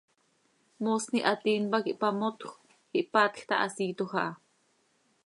Moosni hatiin pac ihpamotjö, ihpaatj ta, hasiiitoj aha.